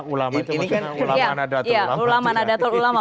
ulama nada tululama